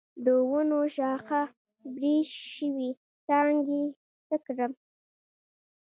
د ونو شاخه بري شوي څانګې څه کړم؟